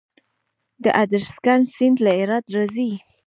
د ادرسکن سیند له هرات راځي